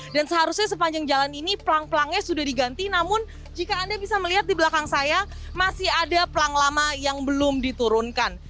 dan seharusnya sepanjang jalan ini pelang pelangnya sudah diganti namun jika anda bisa melihat di belakang saya masih ada pelang lama yang belum diturunkan